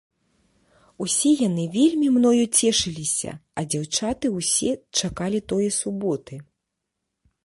Усе яны вельмі мною цешыліся, а дзяўчаты ўсе чакалі тое суботы.